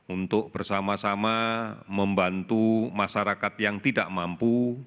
untuk bersama sama membantu masyarakat yang tidak mampu